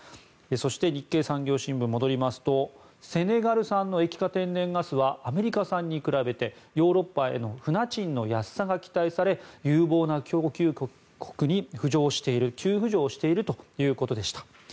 そして日経産業新聞に戻りますとセネガル産の液化天然ガスはアメリカ産に比べてヨーロッパへの船賃の安さが期待され有望な供給国に浮上している急浮上しているということでした。